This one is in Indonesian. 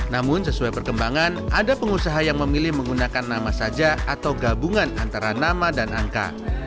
namun sesuai perkembangan ada pengusaha yang memilih menggunakan nama saja atau gabungan antara nama dan angka